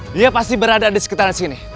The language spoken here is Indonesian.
dia pasti berada di sekitaran sini